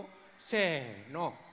せの。